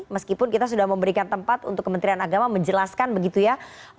meskipun kita sudah memberikan tempat untuk kementerian agama menjelaskan begitu ya